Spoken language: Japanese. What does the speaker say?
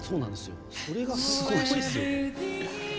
それがすごいですよね。